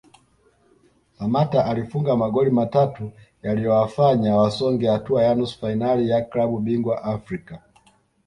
Samatta alifunga magoli matatu yaliyowafanya wasonge hatua ya nusu fainali ya klabu bingwa Afrika